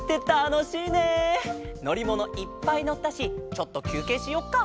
のりものいっぱいのったしちょっときゅうけいしよっか。